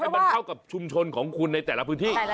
ให้มันเท่ากับชุมชนของคุณในแต่ละพื้นที่เพราะว่า